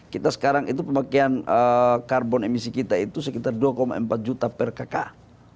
kita sekarang itu pemakaian karbon emisi kita itu sekitar dua empat juta per kakak